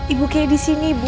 ibu kayak disini ibu